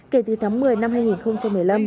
kể từ tháng một mươi năm hai nghìn một mươi năm